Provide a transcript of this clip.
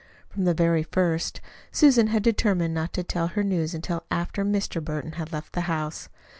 From the very first Susan had determined not to tell her news until after Mr. Burton had left the house.